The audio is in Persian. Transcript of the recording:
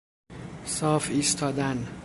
صاف ایستادن.